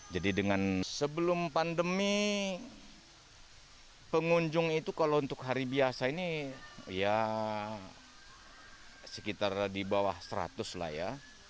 jadi dengan sebelum pandemi pengunjung itu kalau untuk hari biasa ini ya sekitar di bawah seratus lah ya